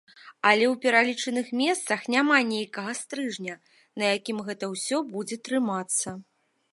Але ў пералічаных месцах няма нейкага стрыжня, на якім гэта ўсё будзе трымацца.